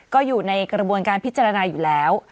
ก็อยู่ในกระบวนการพิจารณาอยู่แล้ว